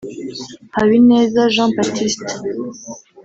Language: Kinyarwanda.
Habineza Jean Baptiste